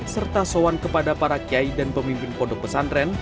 serta soan kepada para kiai dan pemimpin pondok pesantren